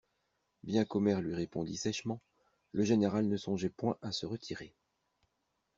Bien qu'Omer lui répondit sèchement, le général ne songeait point à se retirer.